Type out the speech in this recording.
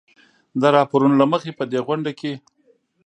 د راپورونو له مخې په دې غونډه کې